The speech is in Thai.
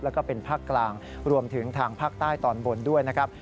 แล้วก็เป็นภาคกลางรวมถึงทางภาคใต้ตอนบนด้วยนะครับ